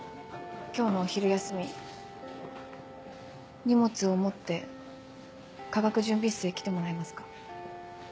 今日のお昼休み荷物を持って化学準備室へ来てもらえますか？